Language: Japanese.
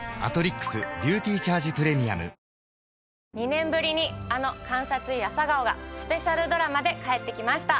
２年ぶりにあの『監察医朝顔』がスペシャルドラマで帰ってきました。